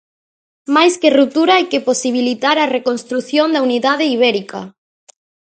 Máis que ruptura hai que posibilitar a reconstrución da unidade ibérica.